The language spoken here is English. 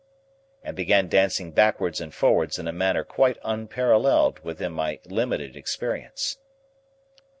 and began dancing backwards and forwards in a manner quite unparalleled within my limited experience.